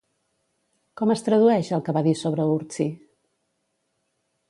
Com es tradueix, el que va dir sobre Urtzi?